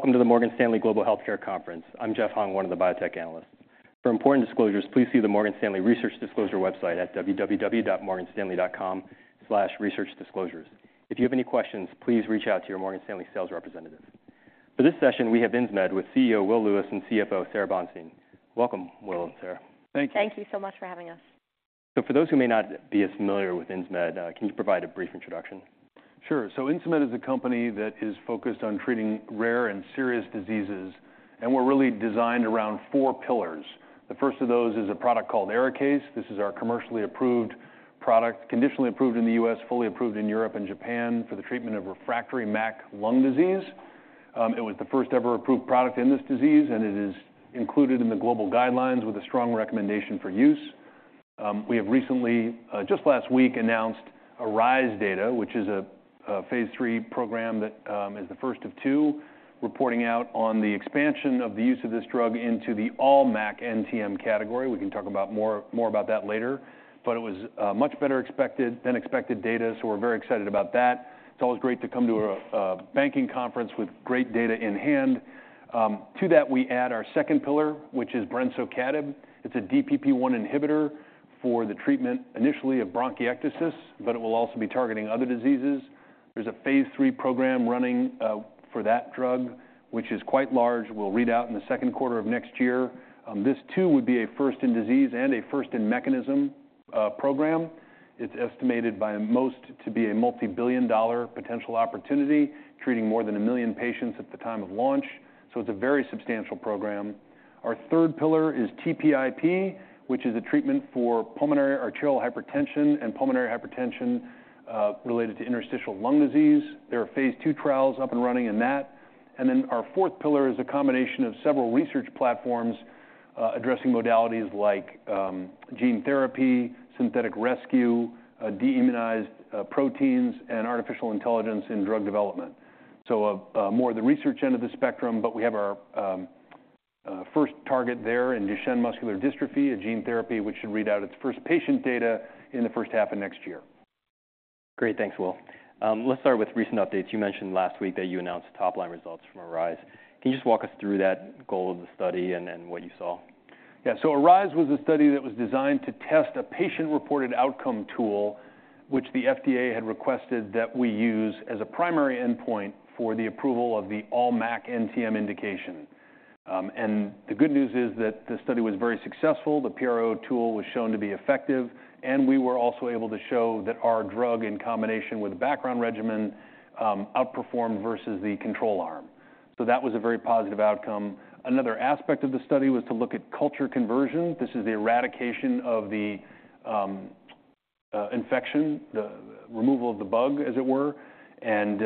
Welcome to the Morgan Stanley Global Healthcare Conference. I'm Jeff Hung, one of the Biotech Analysts. For important disclosures, please see the Morgan Stanley Research Disclosure website at www.morganstanley.com/researchdisclosures. If you have any questions, please reach out to your Morgan Stanley sales representative. For this session, we have Insmed, with CEO, Will Lewis, and CFO, Sara Bonstein. Welcome, Will and Sara. Thank you. Thank you so much for having us. For those who may not be as familiar with Insmed, can you provide a brief introduction? Sure. So Insmed is a company that is focused on treating rare and serious diseases, and we're really designed around four pillars. The first of those is a product called ARIKAYCE. This is our commercially approved product, conditionally approved in the U.S., fully approved in Europe and Japan for the treatment of refractory MAC lung disease. It was the first ever approved product in this disease, and it is included in the global guidelines with a strong recommendation for use. We have recently just last week announced ARISE data, which is a phase III program that is the first of two, reporting out on the expansion of the use of this drug into the all MAC NTM category. We can talk about more about that later. But it was much better than expected data, so we're very excited about that. It's always great to come to a banking conference with great data in hand. To that, we add our second pillar, which is brensocatib. It's a DPP1 inhibitor for the treatment, initially of bronchiectasis, but it will also be targeting other diseases. There's a phase III program running for that drug, which is quite large. We'll read out in the second quarter of next year. This too would be a first in disease and a first in mechanism program. It's estimated by most to be a multi-billion-dollar potential opportunity, treating more than 1 million patients at the time of launch, so it's a very substantial program. Our third pillar is TPIP, which is a treatment for pulmonary arterial hypertension and pulmonary hypertension related to interstitial lung disease. There are phase II trials up and running in that. Our fourth pillar is a combination of several research platforms, addressing modalities like gene therapy, synthetic rescue, de-immunized proteins, and artificial intelligence in drug development. More the research end of the spectrum, but we have our first target there in Duchenne muscular dystrophy, a gene therapy, which should read out its first patient data in the first half of next year. Great. Thanks, Will. Let's start with recent updates. You mentioned last week that you announced top-line results from ARISE. Can you just walk us through that goal of the study and then what you saw? Yeah. So ARISE was a study that was designed to test a patient-reported outcome tool, which the FDA had requested that we use as a primary endpoint for the approval of the all MAC NTM indication. And the good news is that the study was very successful. The PRO tool was shown to be effective, and we were also able to show that our drug, in combination with a background regimen, outperformed versus the control arm. So that was a very positive outcome. Another aspect of the study was to look at culture conversion. This is the eradication of the, infection, the removal of the bug, as it were. And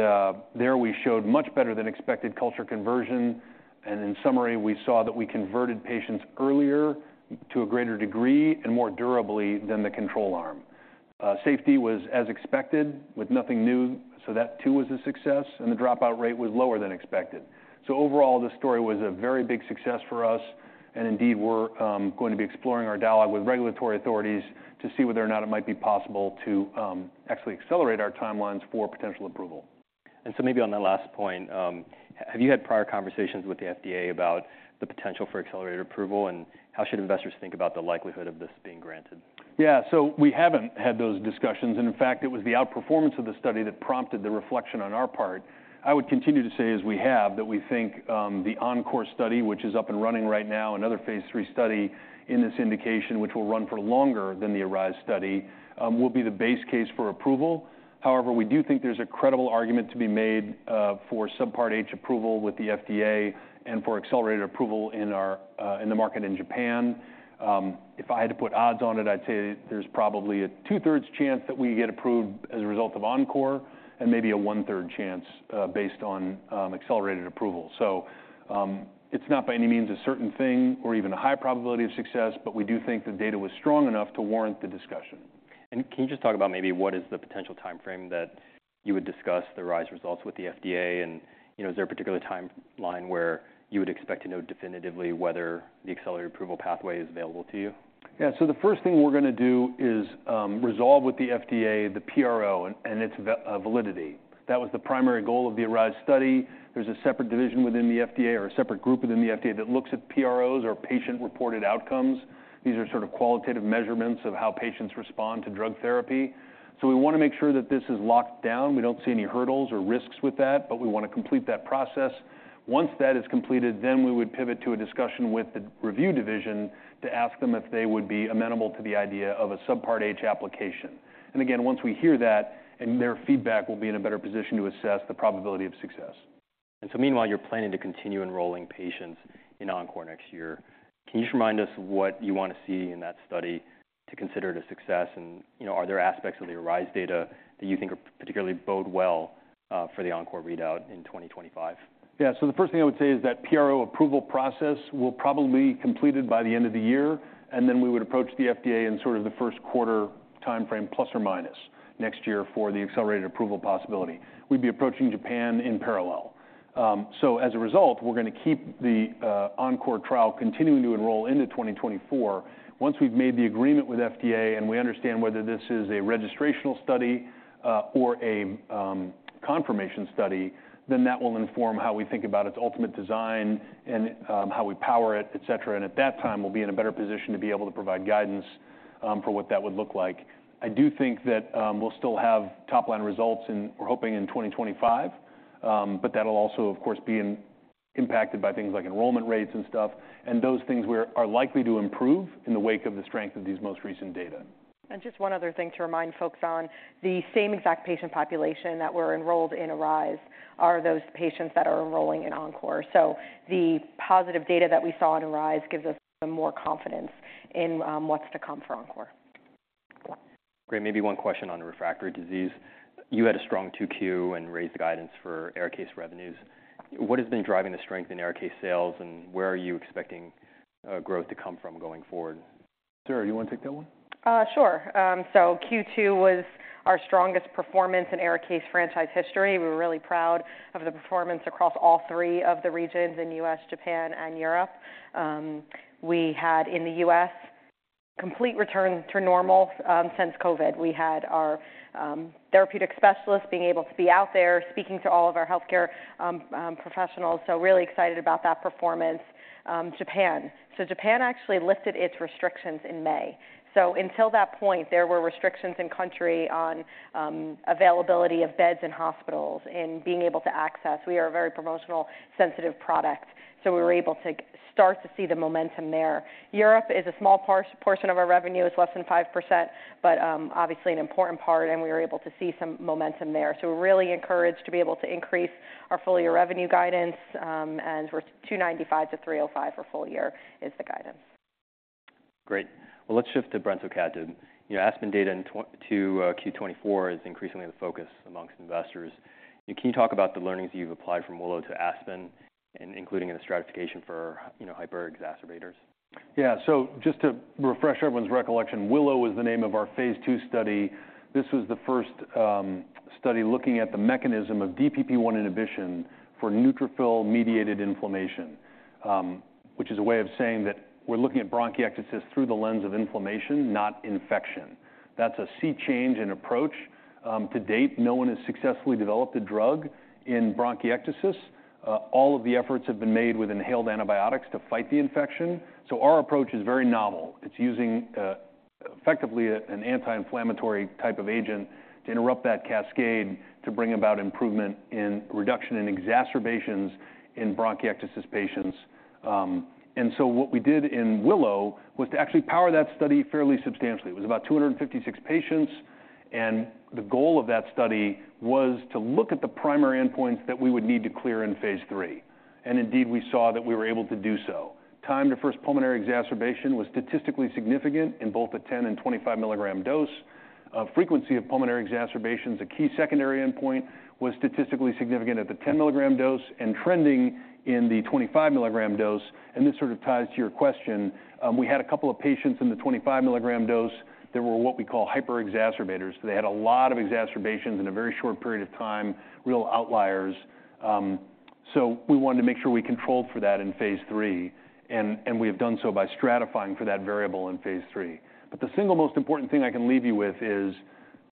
there we showed much better than expected culture conversion, and in summary, we saw that we converted patients earlier to a greater degree and more durably than the control arm. Safety was as expected, with nothing new, so that too, was a success, and the dropout rate was lower than expected. So overall, the story was a very big success for us, and indeed, we're going to be exploring our dialogue with regulatory authorities to see whether or not it might be possible to actually accelerate our timelines for potential approval. And so maybe on that last point, have you had prior conversations with the FDA about the potential for accelerated approval? And how should investors think about the likelihood of this being granted? Yeah, so we haven't had those discussions, and in fact, it was the outperformance of the study that prompted the reflection on our part. I would continue to say, as we have, that we think the ENCORE study, which is up and running right now, another phase III study in this indication, which will run for longer than the ARISE study, will be the base case for approval. However, we do think there's a credible argument to be made for Subpart H approval with the FDA and for accelerated approval in our - in the market in Japan. If I had to put odds on it, I'd say there's probably a 2/3 chance that we get approved as a result of ENCORE, and maybe a 1/3 chance based on accelerated approval. It's not by any means a certain thing or even a high probability of success, but we do think the data was strong enough to warrant the discussion. Can you just talk about maybe what is the potential timeframe that you would discuss the ARISE results with the FDA? And, you know, is there a particular timeline where you would expect to know definitively whether the accelerated approval pathway is available to you? Yeah. So the first thing we're gonna do is, resolve with the FDA, the PRO and its validity. That was the primary goal of the ARISE study. There's a separate division within the FDA or a separate group within the FDA that looks at PROs or patient-reported outcomes. These are sort of qualitative measurements of how patients respond to drug therapy. So we wanna make sure that this is locked down. We don't see any hurdles or risks with that, but we wanna complete that process. Once that is completed, then we would pivot to a discussion with the review division to ask them if they would be amenable to the idea of a Subpart H application. And again, once we hear that and their feedback, we'll be in a better position to assess the probability of success. Meanwhile, you're planning to continue enrolling patients in ENCORE next year. Can you just remind us what you want to see in that study to consider it a success? You know, are there aspects of the ARISE data that you think are particularly bode well for the ENCORE readout in 2025? Yeah. So the first thing I would say is that PRO approval process will probably be completed by the end of the year, and then we would approach the FDA in sort of the first quarter timeframe plus or minus next year for the accelerated approval possibility. We'd be approaching Japan in parallel. So as a result, we're gonna keep the ENCORE trial continuing to enroll into 2024. Once we've made the agreement with FDA, and we understand whether this is a registrational study or a confirmation study, then that will inform how we think about its ultimate design and how we power it, et cetera. And at that time, we'll be in a better position to be able to provide guidance for what that would look like. I do think that we'll still have top-line results in, we're hoping in 2025, but that'll also, of course, be impacted by things like enrollment rates and stuff, and those things are likely to improve in the wake of the strength of these most recent data. Just one other thing to remind folks on. The same exact patient population that were enrolled in ARISE are those patients that are enrolling in ENCORE. So the positive data that we saw in ARISE gives us some more confidence in, what's to come for ENCORE. Great. Maybe one question on the refractory disease. You had a strong 2Q and raised the guidance for ARIKAYCE revenues. What has been driving the strength in ARIKAYCE sales, and where are you expecting growth to come from going forward? Sara, you want to take that one? Sure. So Q2 was our strongest performance in ARIKAYCE franchise history. We're really proud of the performance across all three of the regions in U.S., Japan, and Europe. We had, in the U.S., complete return to normal since COVID. We had our therapeutic specialists being able to be out there, speaking to all of our healthcare professionals, so really excited about that performance. Japan. So Japan actually lifted its restrictions in May. So until that point, there were restrictions in country on availability of beds in hospitals and being able to access. We are a very promotional-sensitive product, so we were able to start to see the momentum there. Europe is a small portion of our revenue, it's less than 5%, but obviously an important part, and we were able to see some momentum there. We're really encouraged to be able to increase our full year revenue guidance, and we're $295-$305 for full year is the guidance. Great. Well, let's shift to brensocatib. Your ASPEN data in to Q 2024 is increasingly the focus among investors. Can you talk about the learnings you've applied from WILLOW to ASPEN, including in the stratification for, you know, hyperexacerbators? Yeah. So just to refresh everyone's recollection, WILLOW was the name of our phase II study. This was the first study looking at the mechanism of DPP1 inhibition for neutrophil-mediated inflammation, which is a way of saying that we're looking at bronchiectasis through the lens of inflammation, not infection. That's a sea change in approach. To date, no one has successfully developed a drug in bronchiectasis. All of the efforts have been made with inhaled antibiotics to fight the infection. So our approach is very novel. It's using effectively an anti-inflammatory type of agent to interrupt that cascade, to bring about improvement in reduction in exacerbations in bronchiectasis patients. And so what we did in WILLOW was to actually power that study fairly substantially. It was about 256 patients, and the goal of that study was to look at the primary endpoints that we would need to clear in phase III. Indeed, we saw that we were able to do so. Time to first pulmonary exacerbation was statistically significant in both the 10 mg and 25 mg dose. Frequency of pulmonary exacerbations, a key secondary endpoint, was statistically significant at the 10 mg dose and trending in the 25 mg dose, and this sort of ties to your question. We had a couple of patients in the 25 mg dose that were what we call hyperexacerbators. They had a lot of exacerbations in a very short period of time, real outliers. So we wanted to make sure we controlled for that in phase III, and, and we have done so by stratifying for that variable in phase III. But the single most important thing I can leave you with is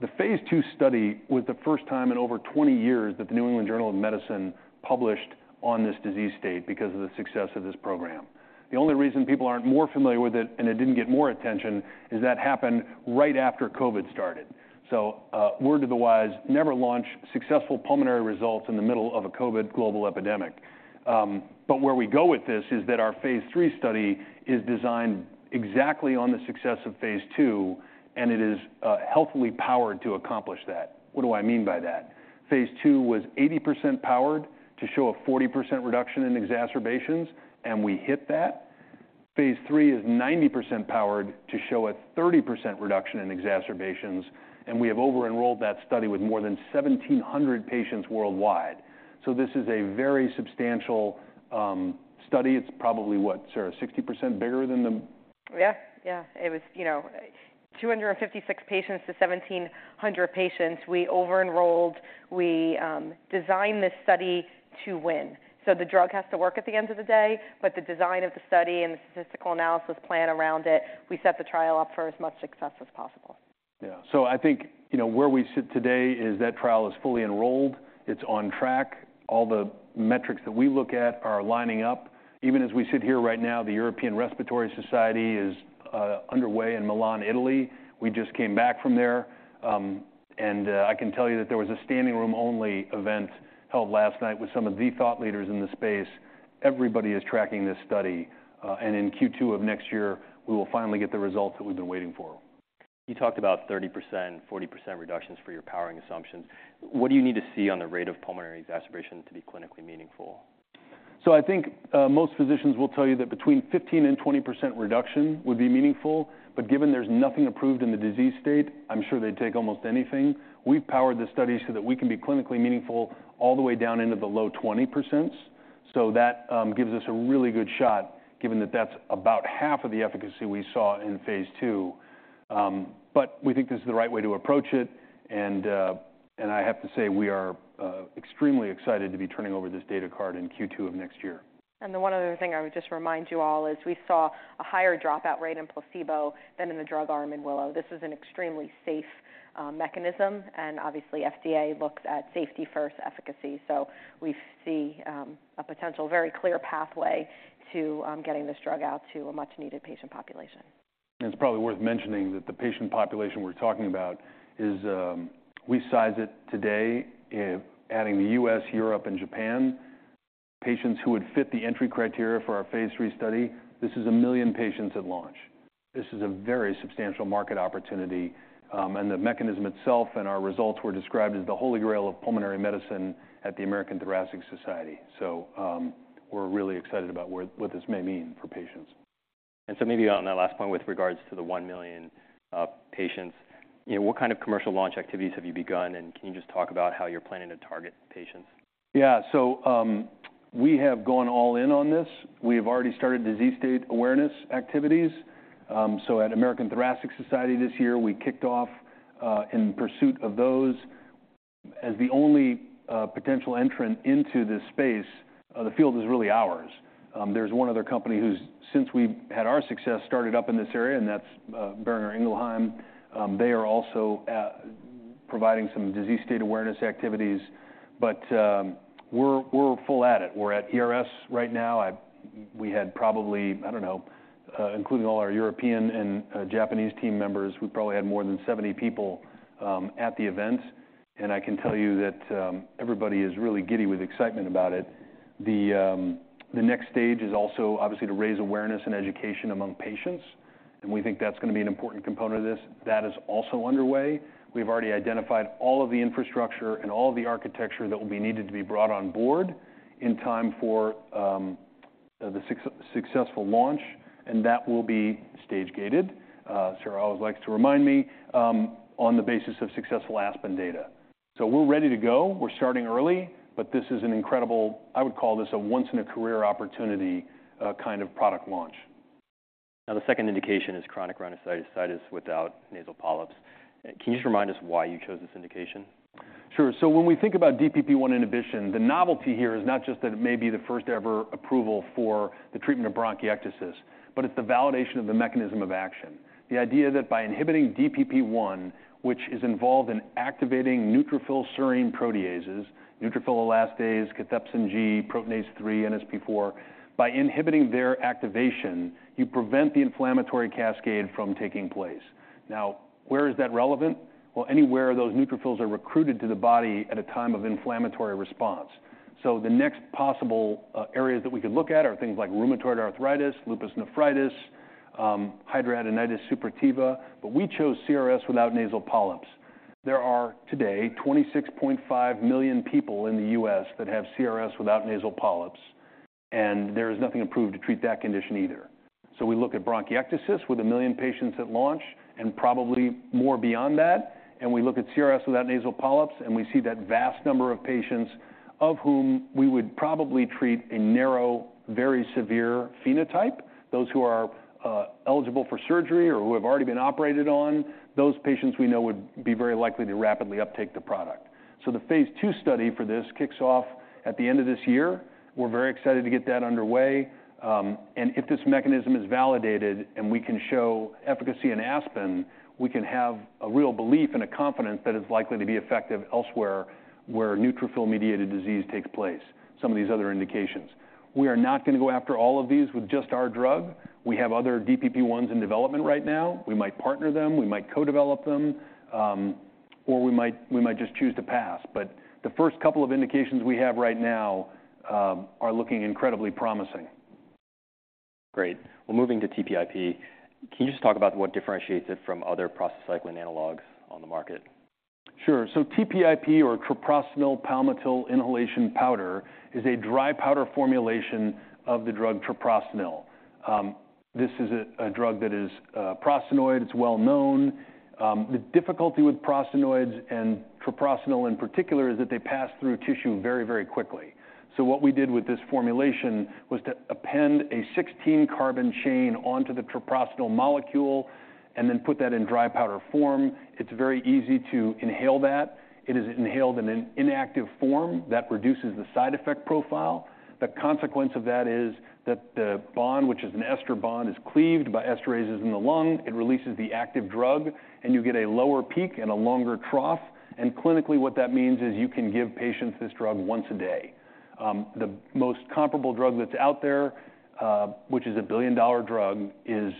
the phase II study was the first time in over 20 years that the New England Journal of Medicine published on this disease state because of the success of this program. The only reason people aren't more familiar with it, and it didn't get more attention, is that happened right after COVID started. So, word to the wise, never launch successful pulmonary results in the middle of a COVID global epidemic. But where we go with this is that our phase III study is designed exactly on the success of phase II, and it is, healthily powered to accomplish that. What do I mean by that? Phase II was 80% powered to show a 40% reduction in exacerbations, and we hit that. Phase III is 90% powered to show a 30% reduction in exacerbations, and we have over-enrolled that study with more than 1,700 patients worldwide. So this is a very substantial study. It's probably, what, Sara, 60% bigger than the. Yeah. Yeah, it was, you know, 256 patients to 1700 patients. We over-enrolled. We designed this study to win. So the drug has to work at the end of the day, but the design of the study and the statistical analysis plan around it, we set the trial up for as much success as possible. Yeah. So I think, you know, where we sit today is that trial is fully enrolled. It's on track. All the metrics that we look at are lining up. Even as we sit here right now, the European Respiratory Society is underway in Milan, Italy. We just came back from there, and I can tell you that there was a standing room only event held last night with some of the thought leaders in the space. Everybody is tracking this study, and in Q2 of next year, we will finally get the results that we've been waiting for. You talked about 30%, 40% reductions for your powering assumptions. What do you need to see on the rate of pulmonary exacerbation to be clinically meaningful? So I think, most physicians will tell you that between 15% and 20% reduction would be meaningful, but given there's nothing approved in the disease state, I'm sure they'd take almost anything. We've powered the study so that we can be clinically meaningful all the way down into the low 20%. So that, gives us a really good shot, given that that's about half of the efficacy we saw in phase 2. But we think this is the right way to approach it, and, and I have to say, we are, extremely excited to be turning over this data card in Q2 of next year. The one other thing I would just remind you all is we saw a higher dropout rate in placebo than in the drug arm in WILLOW. This is an extremely safe, mechanism, and obviously, FDA looks at safety first, efficacy. So we see, a potential very clear pathway to, getting this drug out to a much-needed patient population. It's probably worth mentioning that the patient population we're talking about is, we size it today, in adding the U.S., Europe and Japan, patients who would fit the entry criteria for our phase III study. This is 1 million patients at launch. This is a very substantial market opportunity, and the mechanism itself, and our results were described as the holy grail of pulmonary medicine at the American Thoracic Society. So, we're really excited about where what this may mean for patients. And so maybe on that last point, with regards to the 1 million patients, you know, what kind of commercial launch activities have you begun? And can you just talk about how you're planning to target patients? Yeah. So, we have gone all in on this. We have already started disease state awareness activities. So at American Thoracic Society this year, we kicked off in pursuit of those. As the only potential entrant into this space, the field is really ours. There's one other company who's, since we've had our success, started up in this area, and that's Boehringer Ingelheim. They are also providing some disease state awareness activities, but, we're full at it. We're at ERS right now. We had probably, I don't know, including all our European and Japanese team members, we probably had more than 70 people at the event, and I can tell you that everybody is really giddy with excitement about it. The next stage is also obviously to raise awareness and education among patients, and we think that's gonna be an important component of this. That is also underway. We've already identified all of the infrastructure and all of the architecture that will be needed to be brought on board in time for the successful launch, and that will be stage-gated. Sarah always likes to remind me on the basis of successful ASPEN data. So we're ready to go. We're starting early, but this is an incredible. I would call this a once in a career opportunity kind of product launch. Now, the second indication is chronic rhinosinusitis without nasal polyps. Can you just remind us why you chose this indication? Sure. So when we think about DPP-1 inhibition, the novelty here is not just that it may be the first-ever approval for the treatment of bronchiectasis, but it's the validation of the mechanism of action. The idea that by inhibiting DPP-1, which is involved in activating neutrophil serine proteases, neutrophil elastase, cathepsin G, proteinase 3, NSP4. By inhibiting their activation, you prevent the inflammatory cascade from taking place. Now, where is that relevant? Well, anywhere those neutrophils are recruited to the body at a time of inflammatory response. So the next possible areas that we could look at are things like rheumatoid arthritis, lupus nephritis, hidradenitis suppurativa, but we chose CRS without nasal polyps. There are today 26.5 million people in the U.S. that have CRS without nasal polyps, and there is nothing approved to treat that condition either. So we look at bronchiectasis with 1 million patients at launch and probably more beyond that, and we look at CRS without nasal polyps, and we see that vast number of patients of whom we would probably treat a narrow, very severe phenotype. Those who are eligible for surgery or who have already been operated on, those patients we know would be very likely to rapidly uptake the product. So the phase II study for this kicks off at the end of this year. We're very excited to get that underway, and if this mechanism is validated and we can show efficacy in ASPEN, we can have a real belief and a confidence that it's likely to be effective elsewhere, where neutrophil-mediated disease takes place, some of these other indications. We are not gonna go after all of these with just our drug. We have other DPP-ones in development right now. We might partner them, we might co-develop them, or we might, we might just choose to pass. But the first couple of indications we have right now, are looking incredibly promising. Great. Well, moving to TPIP, can you just talk about what differentiates it from other prostacyclin analogs on the market? Sure. So TPIP or treprostinil palmitil inhalation powder, is a dry powder formulation of the drug treprostinil. This is a drug that is prostanoid. It's well known. The difficulty with prostanoids and treprostinil in particular, is that they pass through tissue very, very quickly. So what we did with this formulation was to append a 16-carbon chain onto the treprostinil molecule and then put that in dry powder form. It's very easy to inhale that. It is inhaled in an inactive form that reduces the side effect profile. The consequence of that is that the bond, which is an ester bond, is cleaved by esterases in the lung. It releases the active drug, and you get a lower peak and a longer trough. And clinically, what that means is you can give patients this drug once a day. The most comparable drug that's out there, which is a billion-dollar drug, is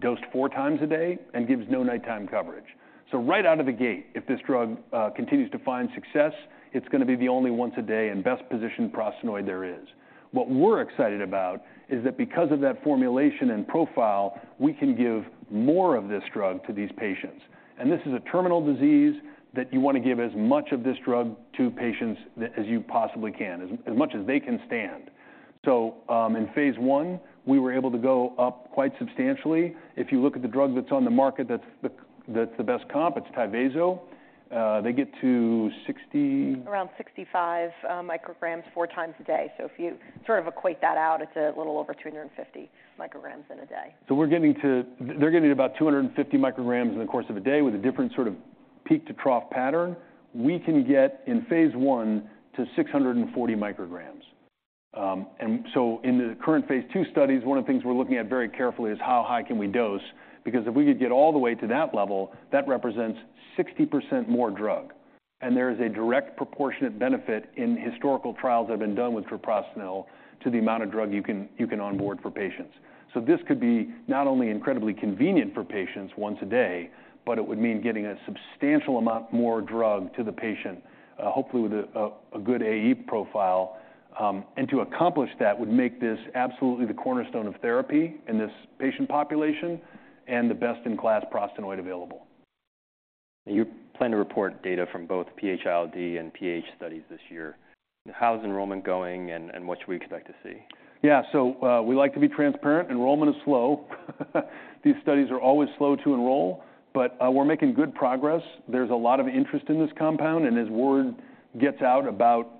dosed four times a day and gives no nighttime coverage. So right out of the gate, if this drug continues to find success, it's gonna be the only once-a-day and best-positioned prostanoid there is. What we're excited about is that because of that formulation and profile, we can give more of this drug to these patients, and this is a terminal disease that you wanna give as much of this drug to patients as you possibly can, as much as they can stand. So, in phase II, we were able to go up quite substantially. If you look at the drug that's on the market, that's the best comp, it's Tyvaso. They get to say, 60. Around 65 micrograms, four times a day. So if you sort of equate that out, it's a little over 250 micrograms in a day. So we're getting to—they're getting about 250 micrograms in the course of a day with a different sort of peak-to-trough pattern. We can get, in phase one, to 640 micrograms. And so in the current phase two studies, one of the things we're looking at very carefully is how high can we dose? Because if we could get all the way to that level, that represents 60% more drug, and there is a direct proportionate benefit in historical trials that have been done with treprostinil to the amount of drug you can, you can onboard for patients. So this could be not only incredibly convenient for patients once a day, but it would mean getting a substantial amount more drug to the patient, hopefully with a good AE profile. To accomplish that would make this absolutely the cornerstone of therapy in this patient population and the best-in-class prostanoid available. You plan to report data from both PH-ILD and PAH studies this year. How's enrollment going, and what should we expect to see? Yeah. So, we like to be transparent. Enrollment is slow. These studies are always slow to enroll, but, we're making good progress. There's a lot of interest in this compound, and as word gets out about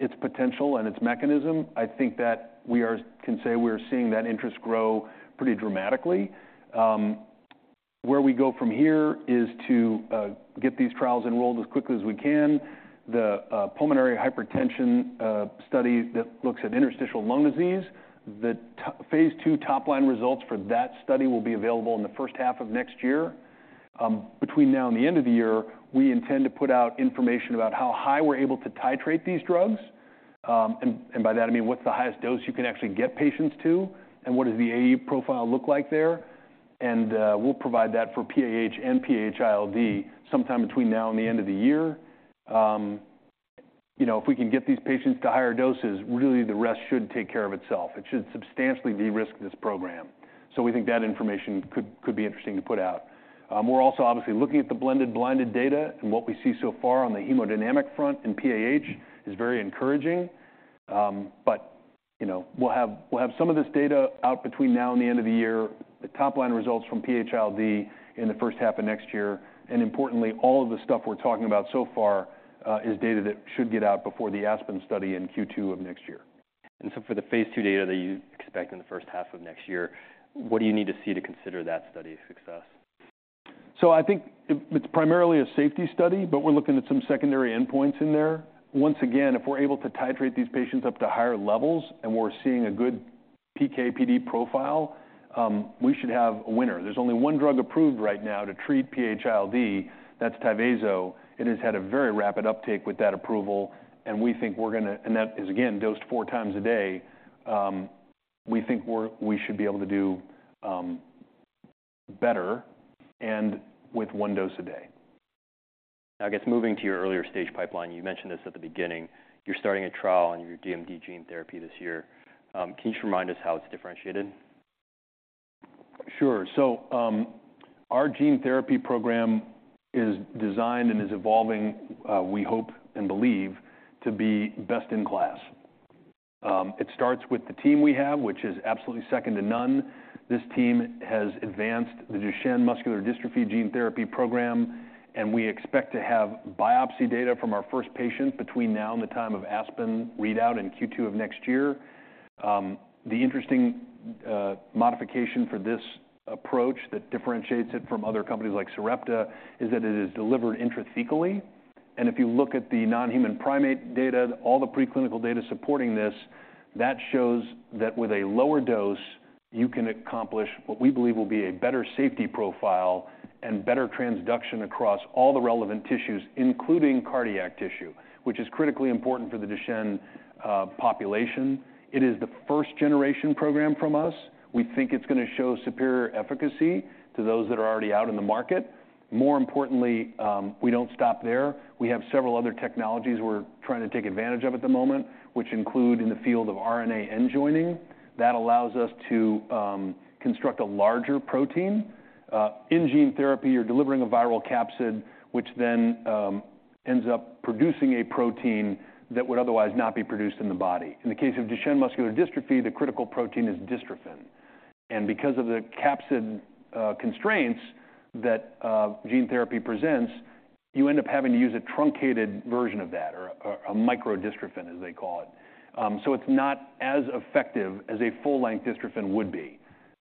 its potential and its mechanism, I think that we can say we are seeing that interest grow pretty dramatically. Where we go from here is to get these trials enrolled as quickly as we can. The pulmonary hypertension study that looks at interstitial lung disease, phase II top-line results for that study will be available in the first half of next year. Between now and the end of the year, we intend to put out information about how high we're able to titrate these drugs. And by that I mean, what's the highest dose you can actually get patients to? What does the AE profile look like there? We'll provide that for PAH and PH-ILD sometime between now and the end of the year. You know, if we can get these patients to higher doses, really, the rest should take care of itself. It should substantially de-risk this program. So we think that information could, could be interesting to put out. We're also obviously looking at the blended blinded data, and what we see so far on the hemodynamic front in PAH is very encouraging. But, you know, we'll have, we'll have some of this data out between now and the end of the year, the top-line results from PH-ILD in the first half of next year. And importantly, all of the stuff we're talking about so far is data that should get out before the ASPEN study in Q2 of next year. For the phase II data that you expect in the first half of next year, what do you need to see to consider that study a success? So I think it's primarily a safety study, but we're looking at some secondary endpoints in there. Once again, if we're able to titrate these patients up to higher levels and we're seeing a good PK/PD profile, we should have a winner. There's only one drug approved right now to treat PH-ILD, that's Tyvaso. It has had a very rapid uptake with that approval, and we think we're gonna. And that is, again, dosed four times a day. We think we should be able to do better and with one dose a day. I guess, moving to your earlier stage pipeline, you mentioned this at the beginning, you're starting a trial on your DMD gene therapy this year. Can you just remind us how it's differentiated? Sure. So, our gene therapy program is designed and is evolving, we hope and believe to be best in class. It starts with the team we have, which is absolutely second to none. This team has advanced the Duchenne muscular dystrophy gene therapy program, and we expect to have biopsy data from our first patient between now and the time of ASPEN readout in Q2 of next year. The interesting modification for this approach that differentiates it from other companies like Sarepta is that it is delivered intrathecally. And if you look at the non-human primate data, all the preclinical data supporting this, that shows that with a lower dose, you can accomplish what we believe will be a better safety profile and better transduction across all the relevant tissues, including cardiac tissue, which is critically important for the Duchenne population. It is the first generation program from us. We think it's gonna show superior efficacy to those that are already out in the market. More importantly, we don't stop there. We have several other technologies we're trying to take advantage of at the moment, which include in the field of RNA end-joining. That allows us to construct a larger protein. In gene therapy, you're delivering a viral capsid, which then ends up producing a protein that would otherwise not be produced in the body. In the case of Duchenne muscular dystrophy, the critical protein is dystrophin. And because of the capsid constraints that gene therapy presents, you end up having to use a truncated version of that or a micro dystrophin, as they call it. So it's not as effective as a full-length dystrophin would be.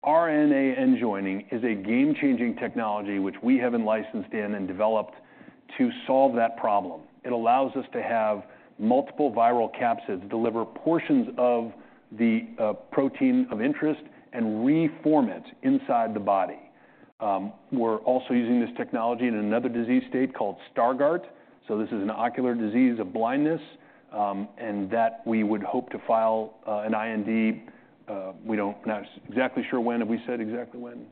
RNA end-joining is a game-changing technology, which we have licensed in and developed to solve that problem. It allows us to have multiple viral capsids, deliver portions of the protein of interest and reform it inside the body. We're also using this technology in another disease state called Stargardt. So this is an ocular disease of blindness, and that we would hope to file an IND. Not exactly sure when. Have we said exactly when?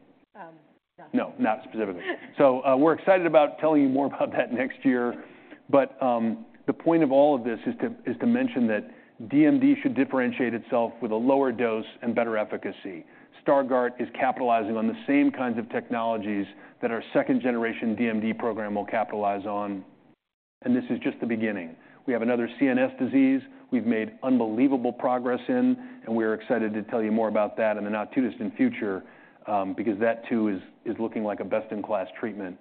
No, not specifically. So, we're excited about telling you more about that next year. But, the point of all of this is to mention that DMD should differentiate itself with a lower dose and better efficacy. Stargardt is capitalizing on the same kinds of technologies that our second-generation DMD program will capitalize on. And this is just the beginning. We have another CNS disease we've made unbelievable progress in, and we're excited to tell you more about that in the not-too-distant future, because that, too, is looking like a best-in-class treatment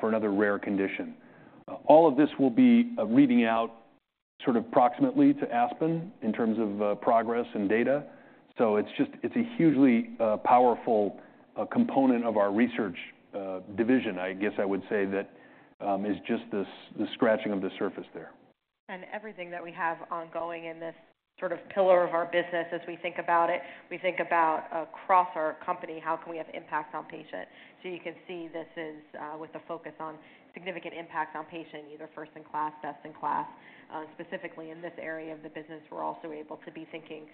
for another rare condition. All of this will be reading out sort of proximately to ASPEN in terms of progress and data. So it's just—it's a hugely powerful component of our research division. I guess I would say that is just the scratching of the surface there. Everything that we have ongoing in this sort of pillar of our business, as we think about it, we think about across our company, how can we have impact on patient? So you can see this is, with a focus on significant impact on patient, either first-in-class, best-in-class. Specifically in this area of the business, we're also able to be thinking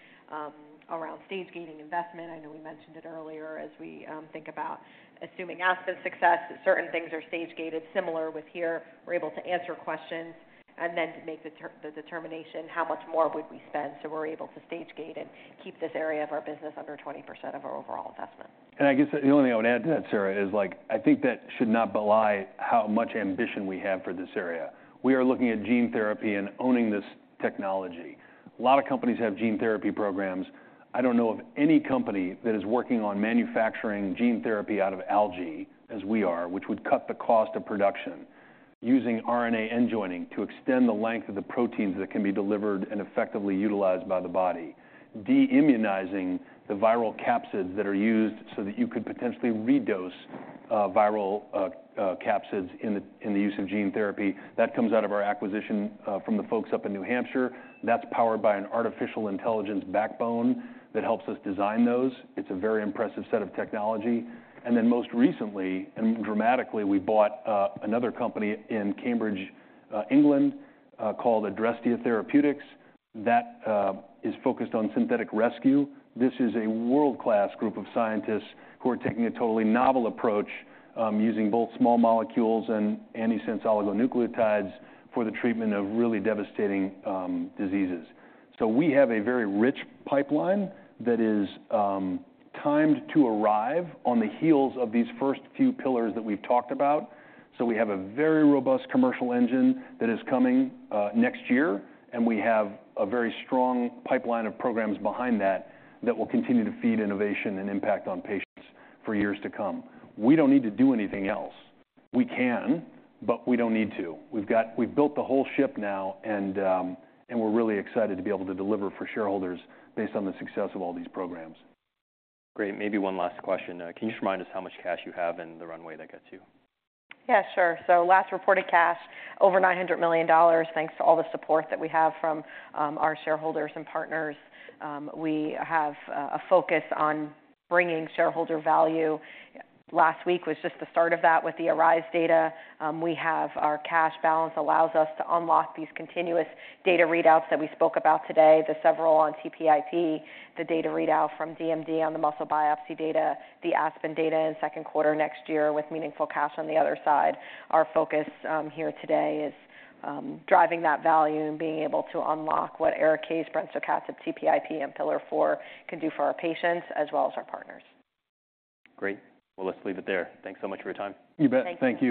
around stage-gating investment. I know we mentioned it earlier. As we think about assuming ASPEN success, certain things are stage-gated. Similar with here, we're able to answer questions and then make the determination, how much more would we spend? So we're able to stage-gate and keep this area of our business under 20% of our overall investment. And I guess the only thing I would add to that, Sarah, is, like, I think that should not belie how much ambition we have for this area. We are looking at gene therapy and owning this technology. A lot of companies have gene therapy programs. I don't know of any company that is working on manufacturing gene therapy out of algae, as we are, which would cut the cost of production. Using RNA end-joining to extend the length of the proteins that can be delivered and effectively utilized by the body. De-immunizing the viral capsids that are used so that you could potentially redose viral capsids in the use of gene therapy. That comes out of our acquisition from the folks up in New Hampshire. That's powered by an artificial intelligence backbone that helps us design those. It's a very impressive set of technology. And then most recently and dramatically, we bought another company in Cambridge, England, called Adrestia Therapeutics. That is focused on synthetic rescue. This is a world-class group of scientists who are taking a totally novel approach, using both small molecules and antisense oligonucleotides for the treatment of really devastating diseases. So we have a very rich pipeline that is timed to arrive on the heels of these first few pillars that we've talked about. So we have a very robust commercial engine that is coming next year, and we have a very strong pipeline of programs behind that, that will continue to feed innovation and impact on patients for years to come. We don't need to do anything else. We can, but we don't need to. We've built the whole ship now, and, and we're really excited to be able to deliver for shareholders based on the success of all these programs. Great. Maybe one last question. Can you just remind us how much cash you have and the runway that gets you? Yeah, sure. So last reported cash, over $900 million, thanks to all the support that we have from our shareholders and partners. We have a focus on bringing shareholder value. Last week was just the start of that with the ARISE data. We have our cash balance allows us to unlock these continuous data readouts that we spoke about today, the several on TPIP, the data readout from DMD on the muscle biopsy data, the ASPEN data in second quarter next year with meaningful cash on the other side. Our focus here today is driving that value and being able to unlock what ARIKAYCE, brensocatib, TPIP, and Pillar Four can do for our patients as well as our partners. Great. Well, let's leave it there. Thanks so much for your time. You bet. Thank you.